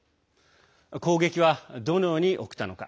攻撃は、どのように起きたのか。